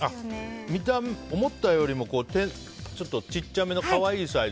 思ったよりもちっちゃめの可愛いサイズ。